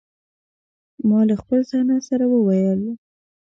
ما له خپل ځانه سره وویل.